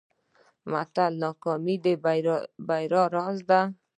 متل: ناکامي د بریا راز دی.